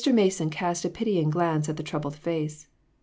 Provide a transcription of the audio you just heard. Mason cast a pitying glance at the troubled face.